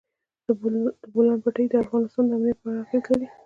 د بولان پټي د افغانستان د امنیت په اړه هم اغېز لري.